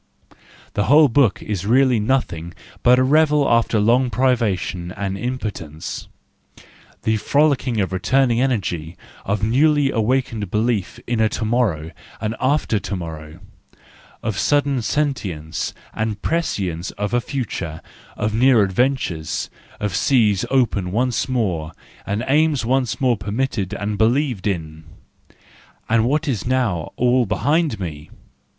The whole book is really nothing but a revel after long privation and im¬ potence: the frolicking of returning energy, of newly awakened belief in a to morrow and after to morrow ; of sudden sentience and prescience of a future, of near adventures, of seas open once more, and aims once more permitted and believed in. And what was now all behind me!